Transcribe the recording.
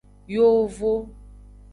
Yovo.